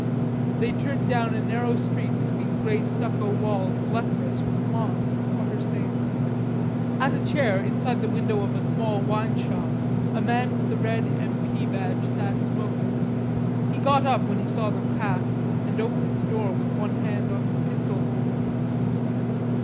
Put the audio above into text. They turned down a narrow street between grey stucco walls leprous with moss and water stains. At a chair inside the window of a small wine shop a man with a red M. P. badge sat smoking. He got up when he saw them pass and opened the door with one hand on his pistol holster.